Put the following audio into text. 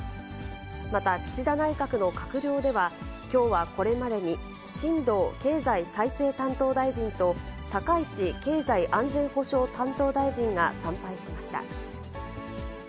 また岸田内閣の閣僚では、きょうはこれまでに新藤経済再生担当大臣と、高市経済安全保障担当大臣が参拝しました。